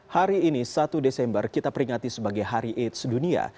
hari ini satu desember kita peringati sebagai hari aids dunia